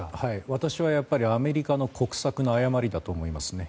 私はアメリカの国策の誤りだと思いますね。